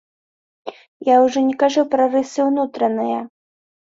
Я ўжо не кажу пра рысы ўнутраныя.